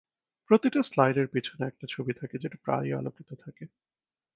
প্রতিটা স্লাইডের পিছনে একটা ছবি থাকে, যেটা প্রায়ই আলোকিত থাকে।